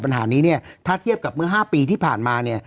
ปัญหานี้เนี่ยถ้าเทียบกับเมื่อ๕ปีที่ผ่านมาเนี่ย